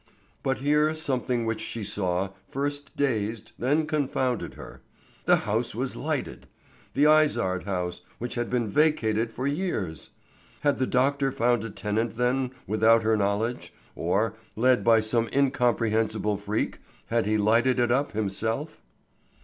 But here something which she saw, first dazed, then confounded her. The house was lighted! The Izard house, which had been vacated for years! Had the doctor found a tenant then without her knowledge, or, led by some incomprehensible freak, had he lighted it up himself?